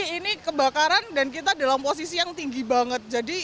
ini kebakaran dan kita dalam posisi yang tinggi banget